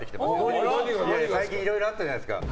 最近いろいろあったじゃないですか。